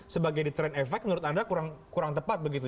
sebagai di trend effect menurut anda kurang tepat begitu